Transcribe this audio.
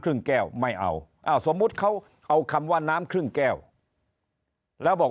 แก้วไม่เอาสมมุติเขาเอาคำว่าน้ำครึ่งแก้วแล้วบอก